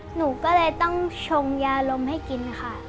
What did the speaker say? หนูก็เลยต้องชงยาลมให้กินค่ะ